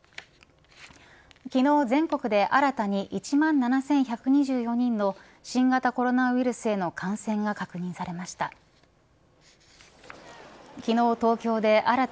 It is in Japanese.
昨日全国で新たに１万７１２４人の新型コロナウイルスへの感染が確認されました。